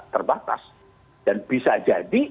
terbatas dan bisa jadi